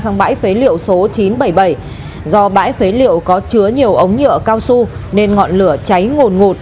sang bãi phế liệu số chín trăm bảy mươi bảy do bãi phế liệu có chứa nhiều ống nhựa cao su nên ngọn lửa cháy ngồn ngụt